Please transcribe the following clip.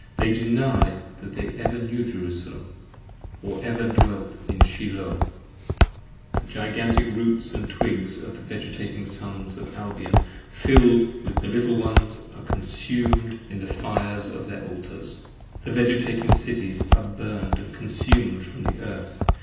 They deny that they ever knew Jerusalem, or ever dwelt in Shiloh. 10 The Gigantic roots & twigs of the vegetating Sons of Albion Fill'd with the little ones are consumed in the Fires of their Altars. The vegetating Cities are burned & consumed from the Earth.